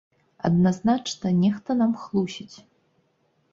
Адназначна, нехта нам хлусіць!